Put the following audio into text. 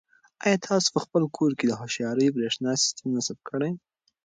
آیا تاسو په خپل کور کې د هوښیارې برېښنا سیسټم نصب کړی؟